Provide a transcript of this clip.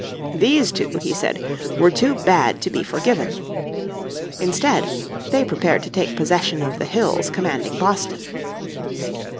These two, he said, were too bad to be forgiven. Instead they prepared to take possession of the hills commanding Boston.